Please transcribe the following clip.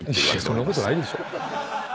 そんなことないでしょ。